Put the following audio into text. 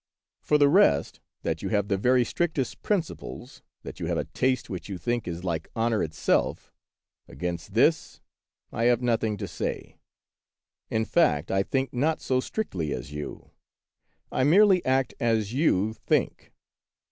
For the rest, that you have the very strictest principles, that you have a taste which you think is like honor itself, — against this I have nothing to say. In fact, I think not so strictly as you; I merely act as you think.'